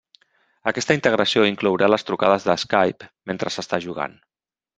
Aquesta integració inclourà les trucades de Skype mentre s'està jugant.